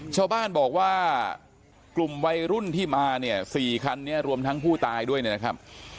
ชาวบ้านบอกว่ากลุ่มวัยรุ่นที่มาเนี่ย๔คันนี้รวมทั้งผู้ตายด้วยนะครับ